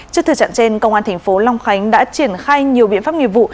trước thử trạng trên công an thành phố long khánh đã triển khai nhiều biện pháp nghiệp vụ